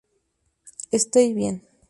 Estoy bien".